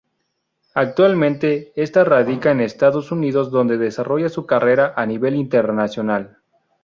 Actualmente está radica en Estados Unidos donde desarrolla su carrera a nivel internacional.